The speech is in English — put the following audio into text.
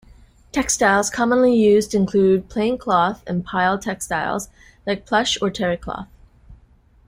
Textiles commonly used include plain cloth and pile textiles like plush or terrycloth.